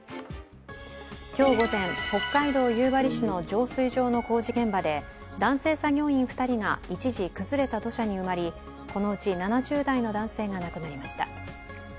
今日午前、北海道夕張市の浄水場の工事現場で男性作業員２人が、一時崩れた土砂に埋まりこのうち７０代の男性が亡くなりました。